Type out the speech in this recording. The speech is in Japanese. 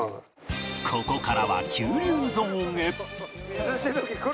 ここからは急流ゾーンへ